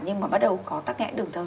nhưng mà bắt đầu có tắc nhẹn đường thở